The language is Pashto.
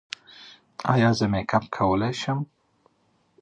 ایا زه میک اپ کولی شم؟